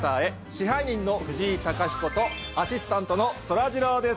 支配人の藤井貴彦とアシスタントのそらジローです。